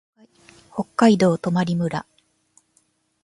北海道泊村